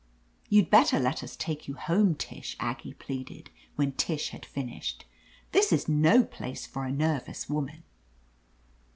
"You'd better let us take you home, Tish," Aggie pleaded, when Tish had finished. "This is no place for a nervous woman."